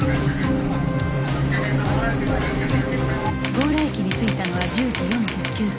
強羅駅に着いたのは１０時４９分